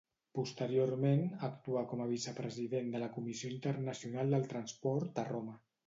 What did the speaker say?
Posteriorment actuà com a vicepresident de la Comissió Internacional del Transport a Roma.